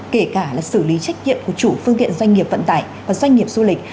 kể cả là xử lý trách nhiệm của chủ phương tiện doanh nghiệp vận tải và doanh nghiệp du lịch